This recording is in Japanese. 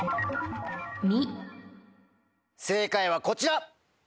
正解はこちら。